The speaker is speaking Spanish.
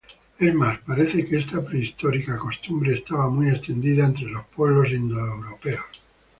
Es más, parece que esta prehistórica costumbre, estaba muy extendida entre los pueblos indoeuropeos.